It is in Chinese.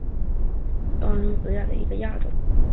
高茎紫堇为罂粟科紫堇属下的一个亚种。